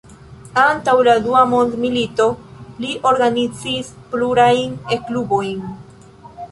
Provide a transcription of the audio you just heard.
Antaŭ la dua mondmilito li organizis plurajn E-klubojn.